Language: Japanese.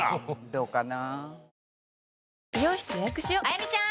どうかな？